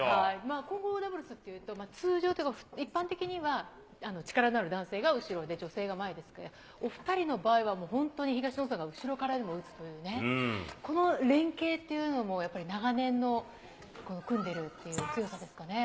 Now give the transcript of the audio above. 混合ダブルスっていうと、通常というか一般的には力のある男性が後ろで、女性が前ですけど、お２人の場合は、もう本当に東野さんが後ろからでも打つというね、この連係というのもやっぱり長年の組んでるっていう強さですかね、